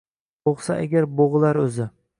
Boʻgʻsa agar, boʻgʻilar oʻzi